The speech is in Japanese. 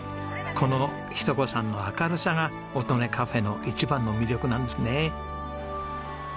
この日登子さんの明るさが音音かふぇの一番の魅力なんですね。